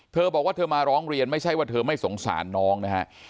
เธอบอกว่าเธอมาร้องเรียนไม่ใช่ว่าเธอไม่สงสารน้องนะฮะ